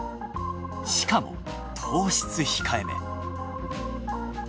しかも糖質控えめ。